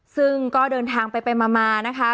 ซึ่งก็เดินทางไปมานะคะ